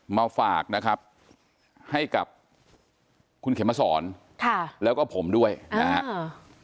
มาฝากนะครับให้กับคุณเขมสอนค่ะแล้วก็ผมด้วยอ่า